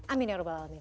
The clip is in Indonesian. amin ya rabbal alamin